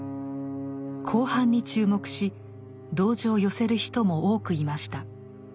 後半に注目し同情を寄せる人も多くいました。